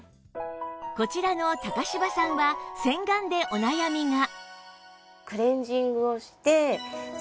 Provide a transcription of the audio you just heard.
こちらの柴さんは洗顔でお悩みが